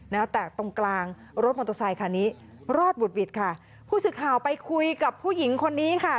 แตกตรงกลางรถมอเตอร์ไซคันนี้รอดบุดหวิดค่ะผู้สื่อข่าวไปคุยกับผู้หญิงคนนี้ค่ะ